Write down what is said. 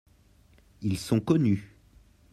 Ils sont connus.